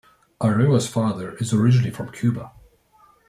Arroyo's father is originally from Cuba.